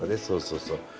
そうそうそう。